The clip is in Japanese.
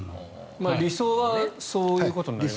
理想はそういうことですよね。